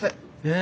え！